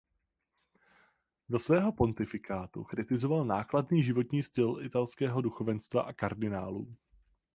Za svého pontifikátu kritizoval nákladný životní styl italského duchovenstva a kardinálů.